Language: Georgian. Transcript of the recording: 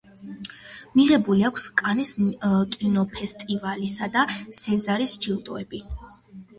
მიღებული აქვს კანის კინოფესტივალისა და სეზარის ჯილდოები.